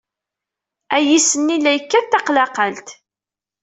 Ayis-nni la yekkat taqlaqalt.